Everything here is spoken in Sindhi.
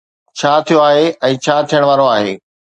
ڇا ٿيو آهي ۽ ڇا ٿيڻ وارو آهي.